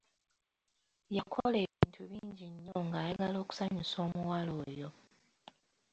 Yakola ebintu bingi nnyo ng'ayagala okusanyusa omuwala oyo.